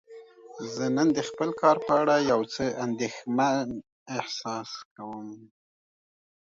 زه نن د خپل کار په اړه یو څه اندیښمن احساس کوم.